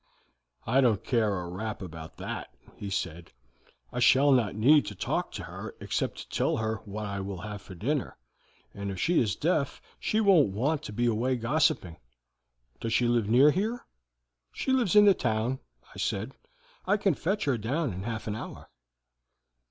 "'I don't care a rap about that,' he said. 'I shall not need to talk to her except to tell her what I will have for dinner, and if she is deaf she won't want to be away gossiping. Does she live near here?' "'She lives in the town,' I said. 'I can fetch her down in half an hour.'